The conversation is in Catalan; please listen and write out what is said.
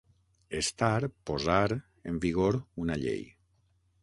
Estar, posar, en vigor una llei.